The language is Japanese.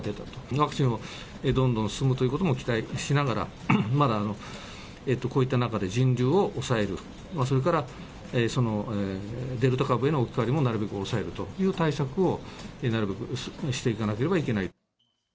ワクチンをどんどん進むということも期待しながら、まだ、こういった中で人流を抑える、それからデルタ株への置き換わりも、なるべく抑えるという対策を、なるべくしていかなければならない。